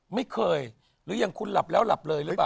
ไม่เคยหรืออย่างคุณหลับแล้วหลับเลยหรือเปล่า